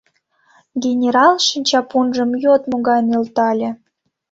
Генерал шинчапунжым йодмо гай нӧлтале.